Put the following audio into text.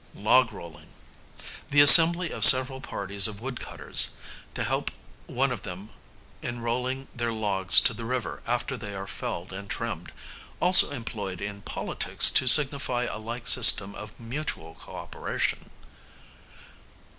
Log rolling, the assembly of several parties of wood cutters to help one of them in rolling their logs to the river after they are felled and trimmed; also employed in politics to signify a like system of mutual co operation.